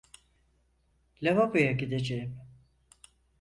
Lavaboya gideceğim.